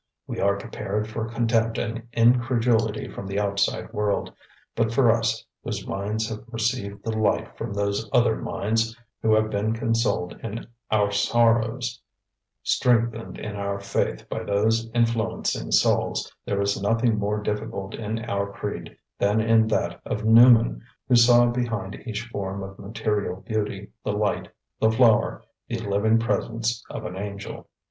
We are prepared for contempt and incredulity from the outside world; but for us, whose minds have received the light from those other minds, who have been consoled in our sorrows, strengthened in our faith by those influencing souls, there is nothing more difficult in our creed than in that of Newman, who saw behind each form of material beauty the light, the flower, the living presence of an angel.